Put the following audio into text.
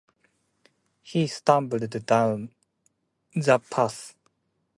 He stumbled down the path.